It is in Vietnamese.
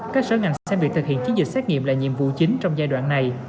các sở ngành xem việc thực hiện chiến dịch xét nghiệm là nhiệm vụ chính trong giai đoạn này